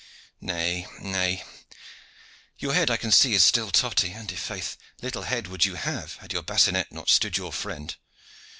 "Nay, nay, your head I can see is still totty, and i' faith little head would you have, had your bassinet not stood your friend.